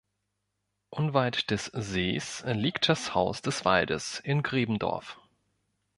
Unweit des Sees liegt das „Haus des Waldes“ in Gräbendorf.